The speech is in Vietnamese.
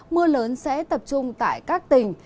mưa lớn sẽ tập trung tại các tỉnh